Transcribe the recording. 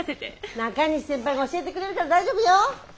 中西先輩が教えてくれるから大丈夫よ！